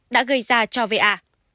đã gây ra cho v a